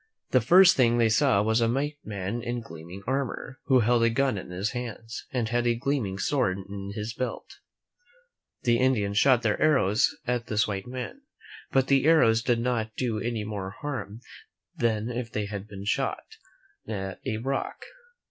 The first thing they saw was a white man in gleaming armor, who held a gun in his hands, and had a gleaming sword in his belt. The Indians shot their arrows at this white man, but the arrows did not do any more harm than if they had been shot at a rock.